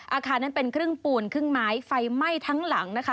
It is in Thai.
อาคารนั้นเป็นครึ่งปูนครึ่งไม้ไฟไหม้ทั้งหลังนะคะ